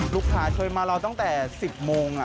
ลูกค้าช่วยมาเราตั้งแต่๑๐โมง